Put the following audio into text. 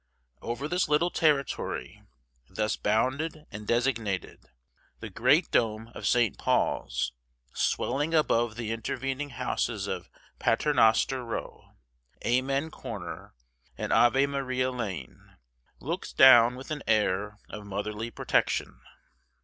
Over this little territory, thus bounded and designated, the great dome of St. Paul's, swelling above the intervening houses of Paternoster Row, Amen Corner, and Ave Maria Lane, looks down with an air of motherly protection.